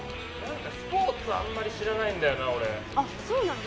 スポーツあんまり知らないんだよな俺。